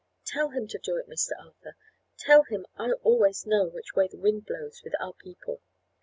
Tell him to do it, Mr. Arthur; tell him I always know which way the wind blows with our people."